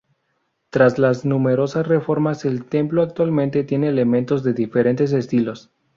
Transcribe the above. Tras las numerosas reformas el templo actualmente tiene elementos de diferentes estilos.